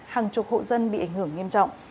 hàng chục hộ dân bị ảnh hưởng nghiêm trọng